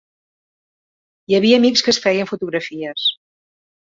Hi havia amics que es feien fotografies.